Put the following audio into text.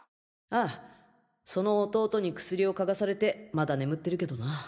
ああその弟に薬を嗅がされてまだ眠ってるけどな。